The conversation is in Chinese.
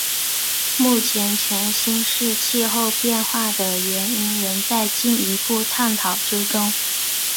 目前全新世气候变化的原因仍在进一步探讨之中。